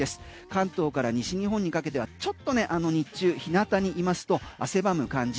関東から西日本にかけてはちょっと日中日向にいますと汗ばむ感じ。